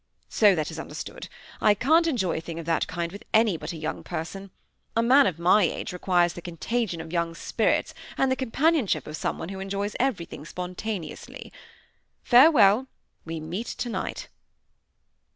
So that is understood. I can't enjoy a thing of that kind with any but a young person; a man of my age requires the contagion of young spirits and the companionship of someone who enjoys everything spontaneously. Farewell; we meet tonight."